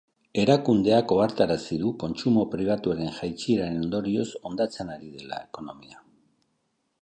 Erakundeak ohartarazi du kontsumo pribatuaren jaitsieraren ondorioz hondatzen ari dela ekonomia.